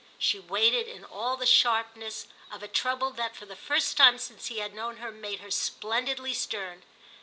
She waited in all the sharpness of a trouble that for the first time since he had known her made her splendidly stern.